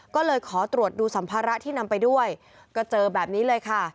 ก็เลยขอตรวจดูสัมภาระที่นำไปด้วยก็เจอแบบนี้เลยค่ะ